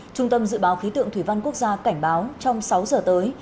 trung tâm dự báo khí tượng thủy văn quốc gia cảnh báo trong sáu giờ tới